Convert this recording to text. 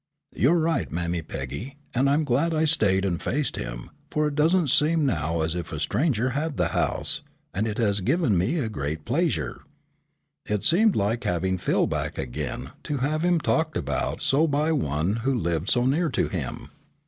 "You're right, Mammy Peggy, and I'm glad I stayed and faced him, for it doesn't seem now as if a stranger had the house, and it has given me a great pleasure. It seemed like having Phil back again to have him talked about so by one who lived so near to him."